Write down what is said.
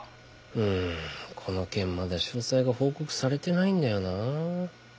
うーんこの件まだ詳細が報告されてないんだよなあ。